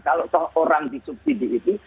kalau orang disubsidi itu